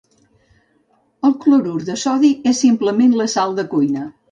El clorur de sodi és simplement la sal de cuina.